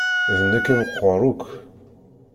D nekk i meqqer akk.